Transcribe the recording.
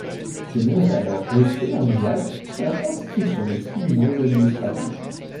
Ce nom est alors resté en usage jusqu'à la constitution des tribunaux administratifs.